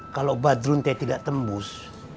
kalau badru teh tidak tembus